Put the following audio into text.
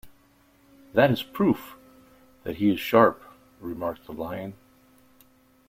"That is proof that he is sharp," remarked the Lion.